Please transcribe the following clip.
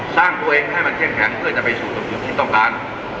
สร้างตัวเองให้มันเช่งแข็งเพื่อจะไปสู่ตัวต้องการ